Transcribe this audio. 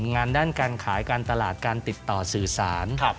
งานด้านการขายการตลาดการติดต่อสื่อสาร